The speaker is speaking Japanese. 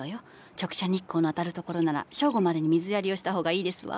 直射日光の当たる所なら正午までに水やりをした方がいいですわ。